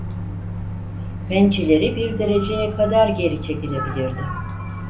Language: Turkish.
Pençeleri bir dereceye kadar geri çekilebilirdi.